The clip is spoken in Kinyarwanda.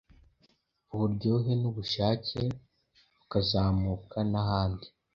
uburyohe n’ubushake bukazamuka n’ahandi.